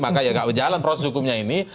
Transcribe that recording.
maka ya nggak berjalan proses hukumnya ini